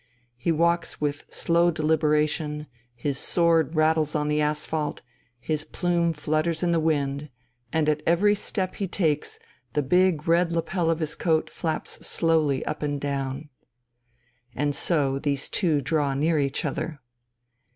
He walks with slow deliberation, his sword rattles on the asphalt, his plume flutters in the wind, and at every step he takes the big red lapel of his coat flaps slowly up and down. And so these two draw near each other.